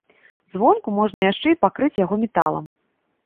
Звонку можна яшчэ і пакрыць яго металам.